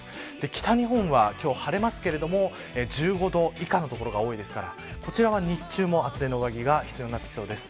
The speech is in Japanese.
北日本は晴れますが１５度以下の所が多いですからこちらは日中も厚手の上着が必要になります。